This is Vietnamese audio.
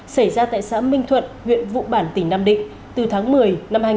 xảy ra tại xã minh thuận huyện vụ bản tỉnh nam định từ tháng một mươi năm hai nghìn một mươi ba